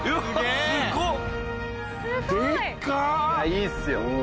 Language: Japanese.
いいっすよ。